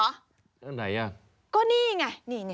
ไหนอ่ะก็นี่ไง